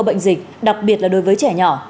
bệnh dịch đặc biệt là đối với trẻ nhỏ